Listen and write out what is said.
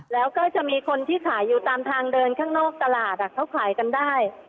แล้วก็จะมีคนที่ขายอยู่ตามทางเดินข้างนอกตลาดเขาขายกันได้